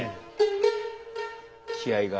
気合いが。